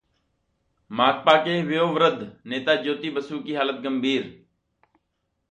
माकपा के वयोवृद्ध नेता ज्योति बसु की हालत गंभीर